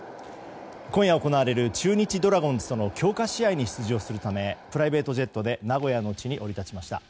今夜行われる中日ドラゴンズとの強化試合に出場するためプライベートジェットで名古屋の地に降り立ちました。